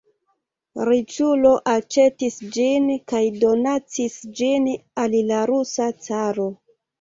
Riĉulo aĉetis ĝin kaj donacis ĝin al la rusa caro.